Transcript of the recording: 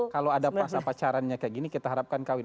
kalau ada masa pacarannya kayak gini kita harapkan kawin